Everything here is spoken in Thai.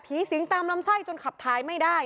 สิงตามลำไส้จนขับท้ายไม่ได้